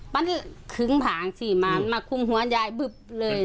มันคึ้งผ่างซี่มามาคุ้มหัวยายบึบเลย